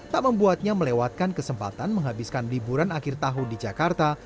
tak membuatnya melewatkan kesempatan menghabiskan liburan akhir tahun di jakarta